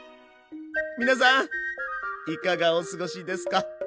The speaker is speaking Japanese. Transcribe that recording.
皆さんいかがお過ごしですか？